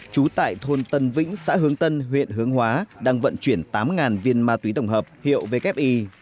trú tại thôn tân vĩnh xã hướng tân huyện hướng hóa đang vận chuyển tám viên ma túy tổng hợp hiệu vki